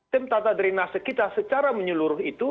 tim tata drenase kita secara menyeluruh itu